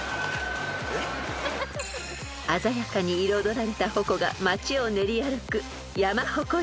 ［鮮やかに彩られた鉾が街を練り歩く］